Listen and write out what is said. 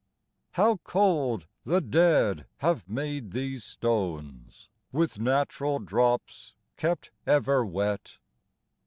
How cold the dead have made these stones, With natural drops kept ever wet!